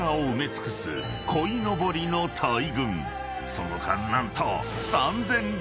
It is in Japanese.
［その数何と］